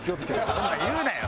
そんなん言うなよ！